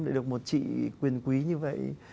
để được một chị quyền quý như vậy